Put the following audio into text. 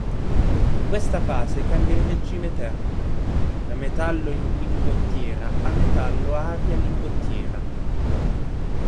In questa fase cambia il regime termico: da metallo-lingottiera a metallo-aria-lingottiera.